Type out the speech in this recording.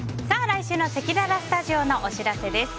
来週のせきららスタジオのお知らせです。